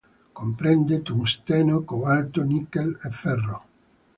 Comprende tungsteno, cobalto, nickel e ferro.